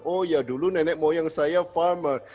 oh ya dulu nenek moyang saya farmer